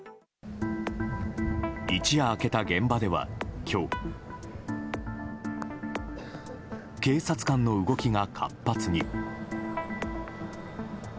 一夜明けた現場では今日警察官の動きが活発に。